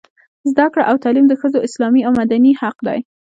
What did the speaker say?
زده کړه او تعلیم د ښځو اسلامي او مدني حق دی.